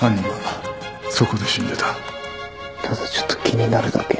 ただちょっと気になるだけ。